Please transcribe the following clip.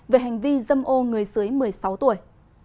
về hành vi dâm ô người dưới một mươi sáu tuổi